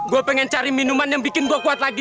gue pengen cari minuman yang bikin gue kuat lagi